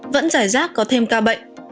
vẫn giải rác có thêm ca bệnh